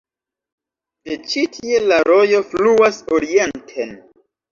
De ĉi tie la rojo fluas orienten.